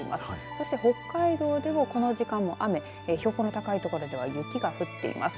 そして北海道でも、この時間も雨標高の高い所では雪が降っています。